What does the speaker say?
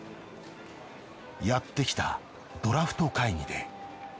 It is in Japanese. やってきたドラフト会議で。